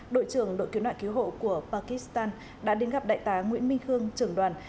đội trưởng đội cứu nạn cứu hộ của pakistan đã đến gặp đại tá nguyễn minh khương trưởng đoàn